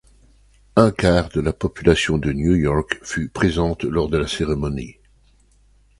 Un quart de la population de New York fut présente lors de la cérémonie.